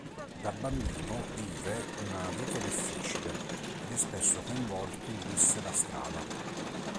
Da bambino vive una vita difficile ed è spesso coinvolto in risse da strada.